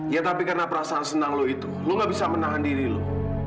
ya tapi karena perasaan senang lu itu lo gak bisa menahan diri lo